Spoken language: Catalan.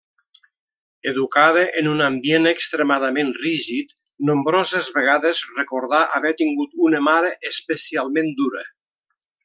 Educada en un ambient extremadament rígid, nombroses vegades recordà haver tingut una mare especialment dura.